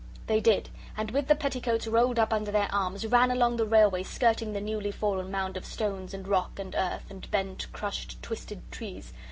They did, and with the petticoats rolled up under their arms, ran along the railway, skirting the newly fallen mound of stones and rock and earth, and bent, crushed, twisted trees.